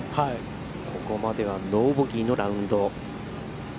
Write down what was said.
ここまではノーボギーのラウンド。